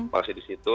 masih di situ